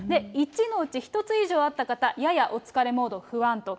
１のうち１つ以上あった方、ややお疲れモード、不安と。